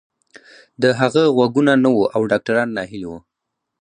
د هغه غوږونه نه وو او ډاکتران ناهيلي وو.